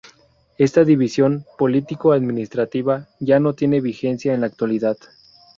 Esta división político-administrativa ya no tiene vigencia en la actualidad.